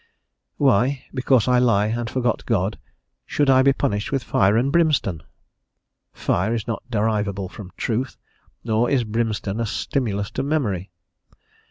Why, because I lie and forget God, should I be punished with fire and brimstone? Fire is not derivable from truth, nor is brimstone a stimulus to memory.